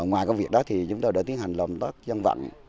ngoài công việc đó thì chúng tôi đã tiến hành lòng tóc dân vận